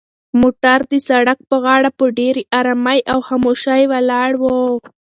موټر د سړک په غاړه په ډېرې ارامۍ او خاموشۍ ولاړ و.